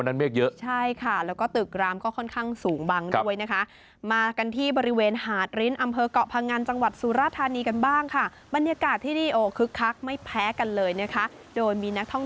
นี่ฉันต้องสารภาพเลยว่าวันนั้นในกรุงเทพฯไม่ค่อยเห็นจริง